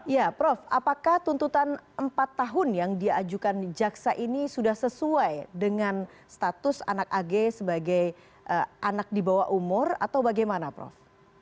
ya prof apakah tuntutan empat tahun yang diajukan jaksa ini sudah sesuai dengan status anak ag sebagai anak di bawah umur atau bagaimana prof